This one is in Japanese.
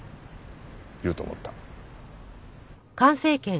言うと思った。